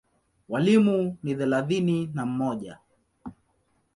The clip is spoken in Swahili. Walimu ni thelathini na mmoja.